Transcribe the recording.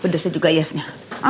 pedasnya juga yes nya